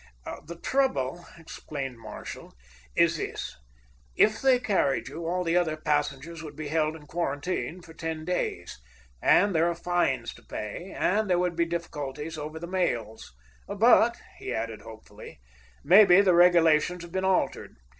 "The trouble," explained Marshall, "is this: if they carried you, all the other passengers would be held in quarantine for ten days, and there are fines to pay, and there would be difficulties over the mails. But," he added hopefully, "maybe the regulations have been altered.